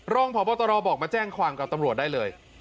รองพบตรบอกมาแจ้งความกับตำรวจได้เลย